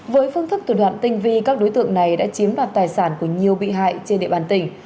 với phương thức thủ đoạn tinh vi các đối tượng này đã chiếm đoạt tài sản của nhiều bị hại trên địa bàn tỉnh